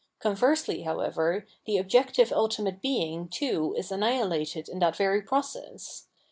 Conversely, however, the objective ultimate Being too is annihilated in that very pro cess.